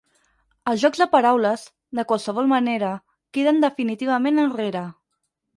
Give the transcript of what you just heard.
Els jocs de paraules, de qualsevol manera, queden definitivament enrere.